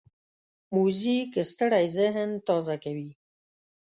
موزیک ستړی ذهن تازه کوي.